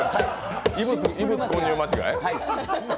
異物混入間違い。